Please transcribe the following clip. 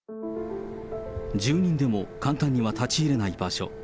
住民でも簡単には立ち入れない場所。